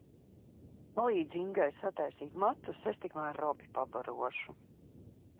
Palīdzi Ingai sataisīt matus, es tikmēr Robi pabarošu!